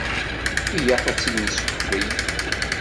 Ilaq ad t-id nessekfel.